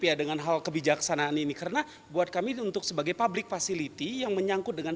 ya dengan hal kebijaksanaan ini karena buat kami untuk sebagai public facility yang menyangkut dengan